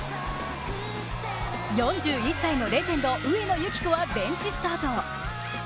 ４１歳のレジェンド上野由岐子はベンチスタート。